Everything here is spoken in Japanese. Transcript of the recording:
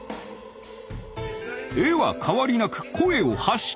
絵は変わりなく「声」を発し続けていた。